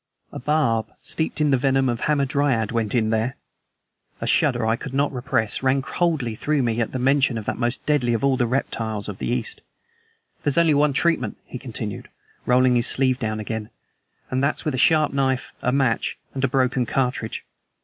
"A barb steeped in the venom of a hamadryad went in there!" A shudder I could not repress ran coldly through me at mention of that most deadly of all the reptiles of the East. "There's only one treatment," he continued, rolling his sleeve down again, "and that's with a sharp knife, a match, and a broken cartridge.